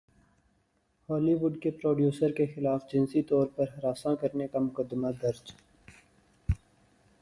Holi would producer کےخلاف جنسی طور پر ہراساں کرنے کا مقدمہ درج